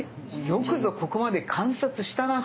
よくぞここまで観察したな！